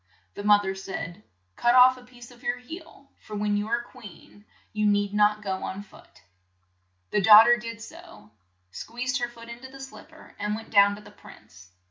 The moth er said ; "Cut off a piece of your heel, for when you are queen you need not go on foot." The daugh ter did so, squeezed her foot in to the slip per, and went down to the prince.